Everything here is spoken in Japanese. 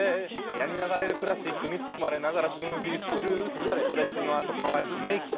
「部屋に流れるクラシックに包まれながらスムージー作る」「ストレッチのあと可愛くメイク